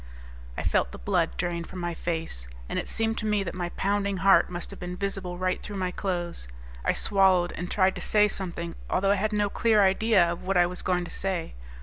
I felt the blood drain from my face, and it seemed to me that my pounding heart must have been visible right through my clothes. I swallowed and tried to say something, although I had no clear idea of what I was going to say.